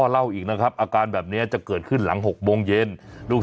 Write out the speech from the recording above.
เล่าอีกนะครับอาการแบบนี้จะเกิดขึ้นหลัง๖โมงเย็นลูก